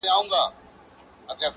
جادوګر په شپه کي وتښتېد له ښاره؛